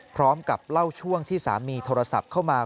พร้อมกับเล่าช่วงที่สามีโทรศัพท์เข้ามา